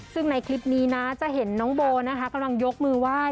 ซึ่งในคลิปนี้นะจะเห็นน้องโบนะคะกำลังยกมือไหว้